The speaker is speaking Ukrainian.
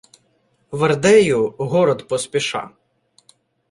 В Ардею — город поспіша.